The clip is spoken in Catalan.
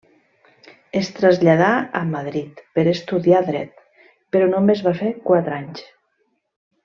Es traslladà a Madrid per estudiar dret, però només va fer quatre anys.